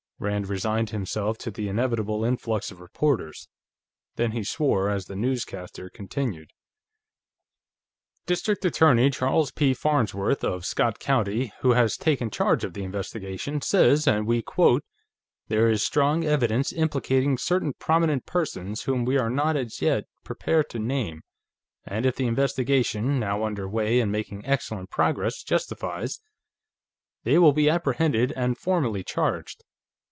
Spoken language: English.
Rand resigned himself to the inevitable influx of reporters. Then he swore, as the newscaster continued: "District Attorney Charles P. Farnsworth, of Scott County, who has taken charge of the investigation, says, and we quote: 'There is strong evidence implicating certain prominent persons, whom we are not, as yet, prepared to name, and if the investigation, now under way and making excellent progress, justifies, they will be apprehended and formally charged.